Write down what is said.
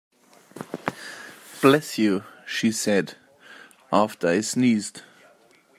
Bless you she said, after I sneezed.